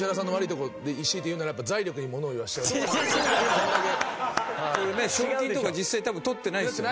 こういうね賞金とか実際多分取ってないですよね。